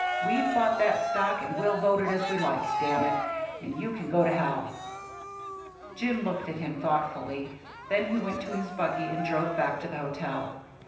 We've bought that stock and we'll vote it as we like, damn it; and you can go to hell!" Jim looked at him thoughtfully; then he went to his buggy and drove back to the hotel.